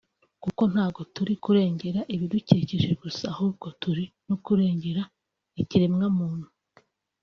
kuko ntago turi kurengera ibidukikije gusa ahubwo turi no kurengera ikiremwamuntu